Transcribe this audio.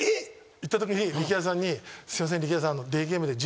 行ったときに力也さんにすいません力也さん。